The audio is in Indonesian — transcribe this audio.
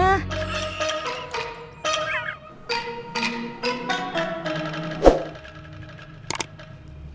tidak ada yang bisa dikira